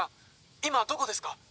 今どこですか？